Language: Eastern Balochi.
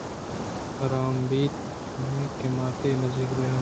حرام اِنت کہ ما تئی نزّ یکءَ بیاہاں